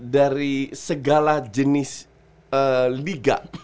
dari segala jenis liga